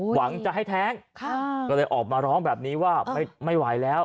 หวังจะให้แท้งก็เลยออกมาร้องแบบนี้ว่าไม่ไหวแล้ว